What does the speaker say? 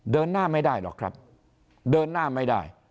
เดินหน้าไม่ได้หรอกครับเดินหน้าไม่ได้